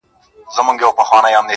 o حروف د ساز له سوره ووتل سرکښه سوله.